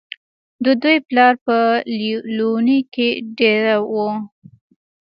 د دوي پلار پۀ ليلونۍ کښې دېره وو